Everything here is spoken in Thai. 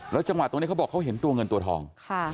จังหวะตรงนี้เขาบอกเขาเห็นตัวเงินตัวทอง